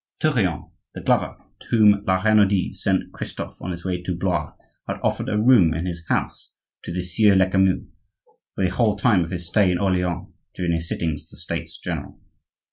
Tourillon, the glover (to whom La Renaudie sent Christophe on his way to Blois), had offered a room in his house to the Sieur Lecamus for the whole time of his stay in Orleans during the sittings of the States general.